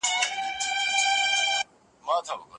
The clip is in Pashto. او ښکلا ته دوهمه درجه ارزښت ورکړه سوی دی.